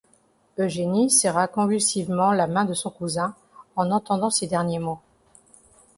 Eugénie serra convulsivement la main de son cousin en entendant ces derniers mots.